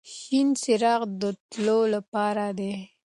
شین څراغ د تلو لپاره دی.